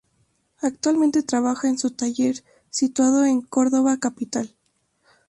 Actualmente trabaja en su taller, situado en Córdoba capital.